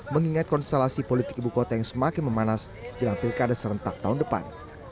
mengingat konstelasi politik ibukota yang semakin memanas jelang terkada serentak tahun depan